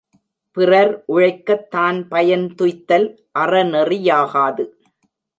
பிறர் உழைக்கத் தான் பயன் துய்த்தல் அறநெறி யாகாது.